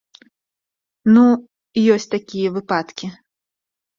Ну, ёсць такія выпадкі.